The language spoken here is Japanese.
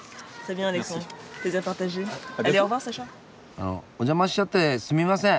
あのお邪魔しちゃってすみません。